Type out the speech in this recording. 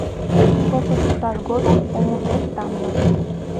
Шошо шушаш годым омо пеш тамле вет.